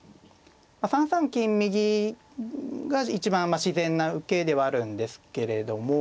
３三金右が一番自然な受けではあるんですけれども。